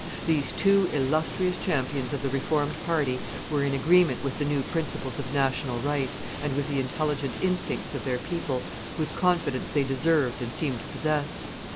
These two illustrious champions of the Reformed party were in agreement with the new principles of national right, and with the intelligent instincts of their people, whose confidence they deserved and seemed to possess.